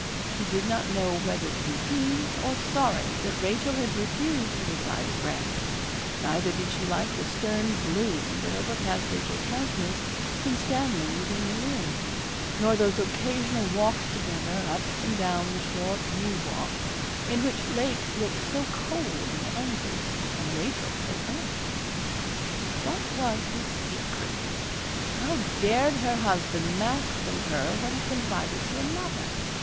She did not know whether to be pleased or sorry that Rachel had refused to reside at Brandon; neither did she like the stern gloom that overcast Rachel's countenance when Stanley was in the room, nor those occasional walks together, up and down the short yew walk, in which Lake looked so cold and angry, and Rachel so earnest. What was this secret? How dared her husband mask from her what he confided to another?